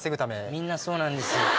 みんなそうなんです。